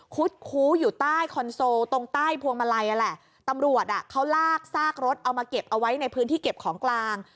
คู้อยู่ใต้คอนโซลตรงใต้พวงมาลัยนั่นแหละตำรวจอ่ะเขาลากซากรถเอามาเก็บเอาไว้ในพื้นที่เก็บของกลาง